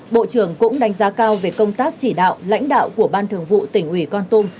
bộ trưởng cũng đánh giá cao về công tác chỉ đạo lãnh đạo của ban thường vụ tỉnh ủy con tum